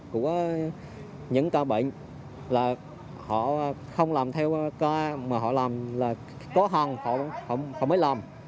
của những ca bệnh là họ không làm theo ca mà họ làm là khó khăn họ mới làm